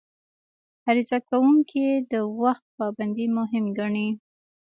عرضه کوونکي د وخت پابندي مهم ګڼي.